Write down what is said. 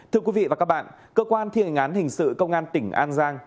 thưa quý vị và các bạn cơ quan thi hành án hình sự công an tỉnh an giang